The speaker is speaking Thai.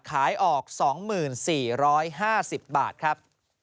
ขายออก๒๔๕๐บาทครับ